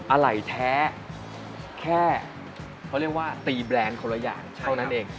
อะไรแท้แค่เขาเรียกว่าตีแบรนด์คนละอย่างเท่านั้นเอง